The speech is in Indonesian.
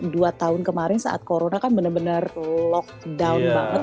dua tahun kemarin saat corona kan benar benar lockdown banget